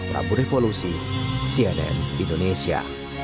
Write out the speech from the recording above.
rambu revolusi cnn indonesia